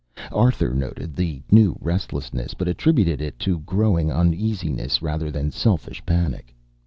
Arthur noted the new restlessness, but attributed it to growing uneasiness rather than selfish panic.